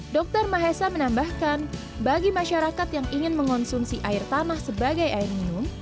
dr mahesa menambahkan bagi masyarakat yang ingin mengonsumsi air tanah sebagai air minum